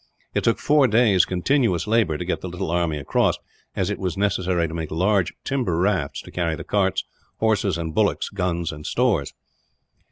It took four days' continuous labour to get the little army across, as it was necessary to make large timber rafts to carry the carts, horses and bullocks, guns and stores.